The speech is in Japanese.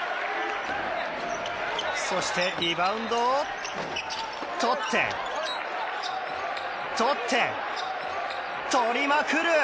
そしてリバウンドをとって、とって、とりまくる！